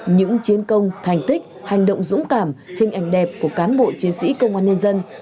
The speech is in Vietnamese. những chiến công thành tích hành động dũng cảm hình ảnh đẹp của cán bộ chiến sĩ công an nhân dân